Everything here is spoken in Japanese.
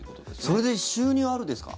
それで収入あるんですか？